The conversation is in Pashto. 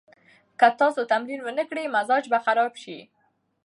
که تاسو تمرین ونه کړئ، مزاج به خراب شي.